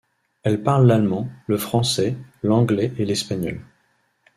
Elle parle l'allemand, le français, l'anglais et l'espagnol.